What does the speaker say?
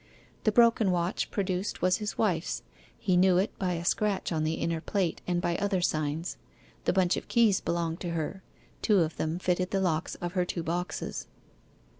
The broken watch produced was his wife's he knew it by a scratch on the inner plate, and by other signs. The bunch of keys belonged to her: two of them fitted the locks of her two boxes.